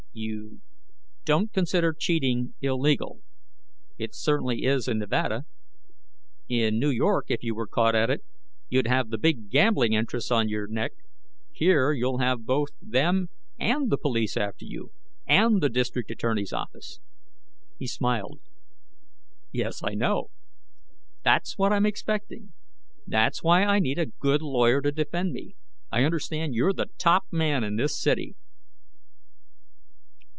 "You don't consider cheating illegal? It certainly is in Nevada. In New York, if you were caught at it, you'd have the big gambling interests on your neck; here, you'll have both them and the police after you. And the district attorney's office." He smiled. "Yes, I know. That's what I'm expecting. That's why I need a good lawyer to defend me. I understand you're the top man in this city."